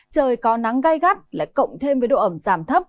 trời có nắng gai gắt lại cộng thêm với độ ẩm giảm thấp